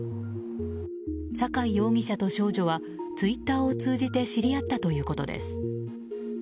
酒井容疑者と少女はツイッターを通じて知り合ったということです。